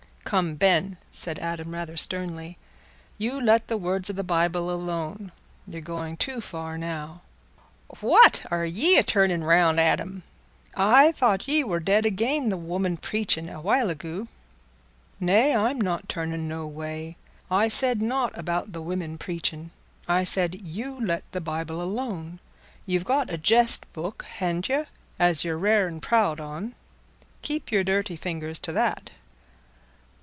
"Come, Ben," said Adam, rather sternly, "you let the words o' the Bible alone; you're going too far now." "What! Are ye a turnin' roun', Adam? I thought ye war dead again th' women preachin', a while agoo?" "Nay, I'm not turnin' noway. I said nought about the women preachin'. I said, You let the Bible alone: you've got a jest book, han't you, as you're rare and proud on? Keep your dirty fingers to that."